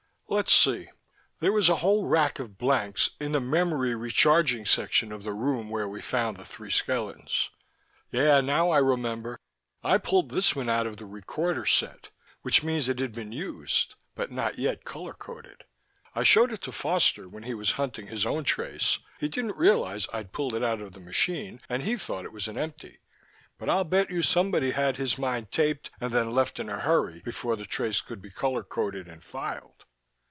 Let's see: there was a whole rack of blanks in the memory recharging section of the room where we found the three skeletons. Yeah, now I remember: I pulled this one out of the recorder set, which means it had been used, but not yet color coded. I showed it to Foster when he was hunting his own trace. He didn't realize I'd pulled it out of the machine and he thought it was an empty. But I'll bet you somebody had his mind taped, and then left in a hurry, before the trace could be color coded and filed.